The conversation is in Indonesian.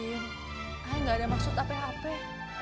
nggak ada maksud apa apa